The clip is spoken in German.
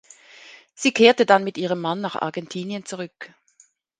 Sie kehrte dann mit ihrem Mann nach Argentinien zurück.